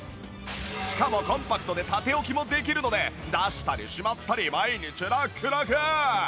しかもコンパクトで縦置きもできるので出したりしまったり毎日ラックラク